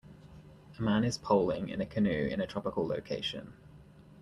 A man is poling in a canoe in a tropical location.